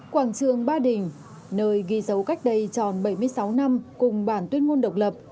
quảng trường ba đình nơi ghi dấu cách đây tròn bảy mươi sáu năm cùng bản tuyên ngôn độc lập